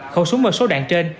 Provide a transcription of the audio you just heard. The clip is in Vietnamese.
khẩu súng và số đạn trên